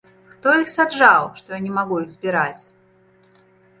Хто іх саджаў, што я не магу іх збіраць!?